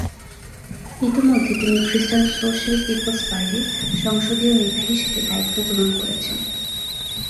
ইতোমধ্যে তিনি খ্রিষ্টান সোশ্যাল পিপলস পার্টির সংসদীয় নেতা হিসেবে দায়িত্ব গ্রহণ করেছেন।